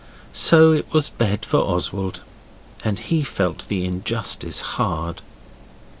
So it was bed for Oswald, and he felt the injustice hard.